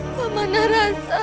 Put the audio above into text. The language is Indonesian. apa manalah rasa